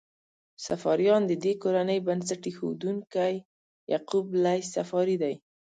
صفاریان: د دې کورنۍ بنسټ ایښودونکی یعقوب لیث صفاري دی.